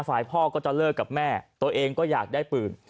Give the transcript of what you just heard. ฝ่ายพ่อก็จะเลิกกับแม่ตัวเองก็อยากได้ปืน